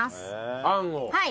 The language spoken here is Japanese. はい。